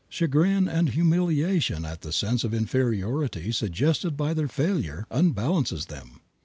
Chagrin and humiliation at the sense of inferiority suggested by their failure unbalances them.